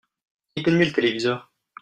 Éteignez le téléviseur.